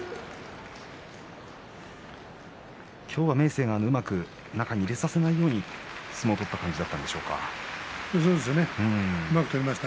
今日は明生がうまく中に入れさせないように相撲を取った感じでしょうか。